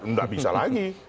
tidak bisa lagi